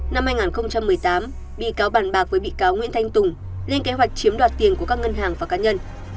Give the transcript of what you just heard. năm hai nghìn một mươi tám bị cáo bàn bạc với bị cáo nguyễn thanh tùng lên kế hoạch chiếm đoạt tiền của các ngân hàng và cá nhân